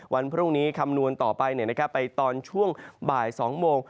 วันพรุ่งนี้คำนวณต่อไปไปตอนช่วงบ่าย๒โมง